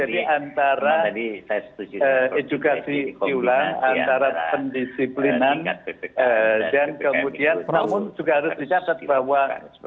jadi antara edukasi diulang antara pendisiplinan dan kemudian namun juga harus dicatat bahwa